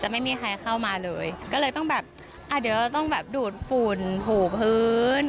ไม่มีใครเข้ามาเลยก็เลยต้องแบบอ่ะเดี๋ยวเราต้องแบบดูดฝุ่นผูกพื้น